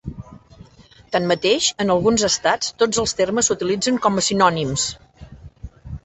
Tanmateix, en alguns estats, tots els termes s'utilitzen com a sinònims.